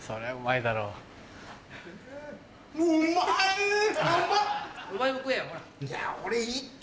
いや俺いいって。